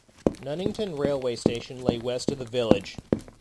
Nunnington railway station lay west of the village.